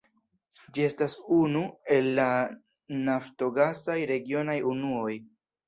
Ĝi estas unu el la naftogasaj regionaj unuoj.